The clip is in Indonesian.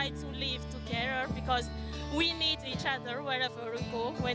jadi yang paling penting adalah kita menghormati satu sama lain dan kita harus mencoba untuk hidup bersama